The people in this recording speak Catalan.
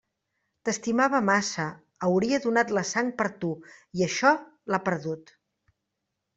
T'estimava massa, hauria donat la sang per tu, i això l'ha perdut.